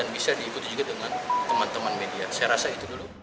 bisa diikuti juga dengan teman teman media saya rasa itu dulu